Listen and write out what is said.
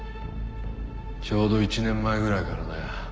ちょうど１年前ぐらいからだよ。